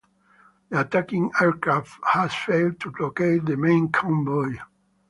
The attacking aircraft had failed to locate the main convoy.